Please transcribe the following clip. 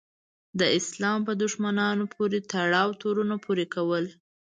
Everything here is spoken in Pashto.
د اسلام په دښمنانو پورې تړاو تورونه پورې کول.